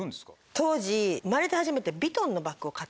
当時生まれて初めて。